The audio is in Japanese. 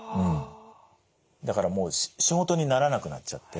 だからもう仕事にならなくなっちゃって。